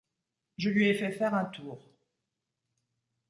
Je lui ai fait faire un tour.